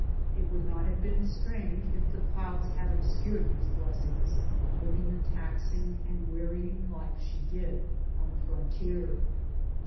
It would not have been strange if the clouds had obscured these blessings, liv ing the taxing, wearying life she did on the frontier.